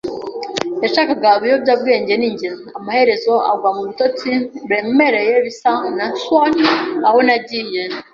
yashakaga ibiyobyabwenge, ni njye, ”amaherezo agwa mu bitotsi biremereye, bisa na swoon, aho nagiye